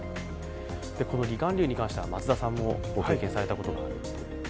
この離岸流に関しては、松田さんもご経験されたことがあると？